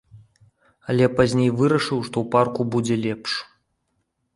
Але пазней вырашыў, што ў парку будзе лепш.